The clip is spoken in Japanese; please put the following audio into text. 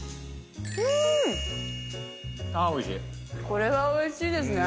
これはおいしいですね。